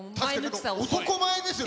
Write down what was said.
男前ですよね。